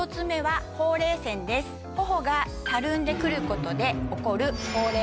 頬がたるんで来ることで起こるほうれい線。